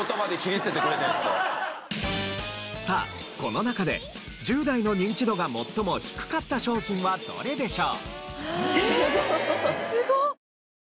さあこの中で１０代のニンチドが最も低かった商品はどれでしょう？